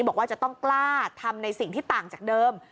บอกว่าจะต้องกล้าทำในสิ่งที่ต่างจากเดิม